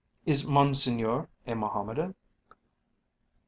"Is Monseigneur a Mohammedan?"